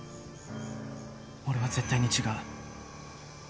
俺は絶対に違う。